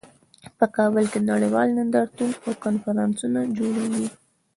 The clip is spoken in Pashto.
په کابل کې نړیوال نندارتونونه او کنفرانسونه جوړیږي